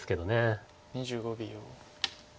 ２５秒。